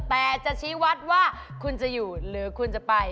แต่จะชี้วัดว่าคุณจะอยู่หรือคุณจะไป